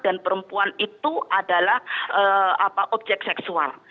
dan perempuan itu adalah objek seksual